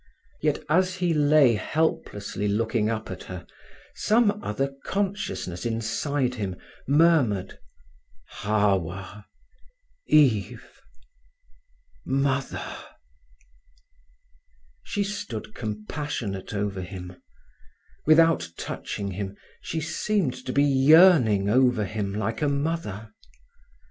Yet as he lay helplessly looking up at her some other consciousness inside him murmured; "Hawwa—Eve—Mother!" She stood compassionate over him. Without touching him she seemed to be yearning over him like a mother.